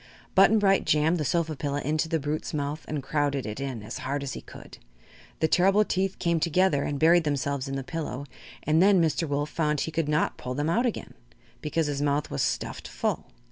Button Bright jammed the sofa pillow into the brute's mouth and crowded it in as hard as he could. The terrible teeth came together and buried themselves in the pillow, and then Mr. Wolf found he could not pull them out again because his mouth was stuffed full.